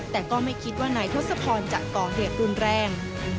แต่ก็ไม่คิดว่านายทศพรจะก่อเหตุรุนแรง